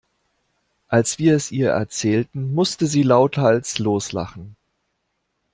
Als wir es ihr erzählten, musste sie lauthals loslachen.